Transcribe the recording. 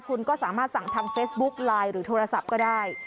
คุณก็สามารถสั่งทางเฟซบุ๊กไลน์หรือโทรศัพท์ก็ได้